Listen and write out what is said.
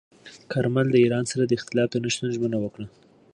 کارمل د ایران سره د اختلاف د نه شتون ژمنه وکړه.